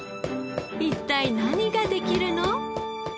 一体何が出来るの？